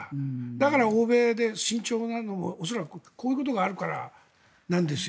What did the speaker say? だから欧米で慎重なのは恐らくこういうことがあるからなんですよ。